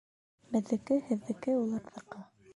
Беҙҙеке, һеҙҙеке, уларҙыҡы